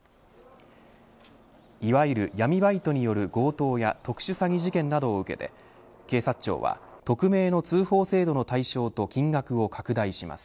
いわゆる闇バイトによる強盗や特殊詐欺事件などを受けて警察庁は、匿名の通報制度の対象と金額を拡大します。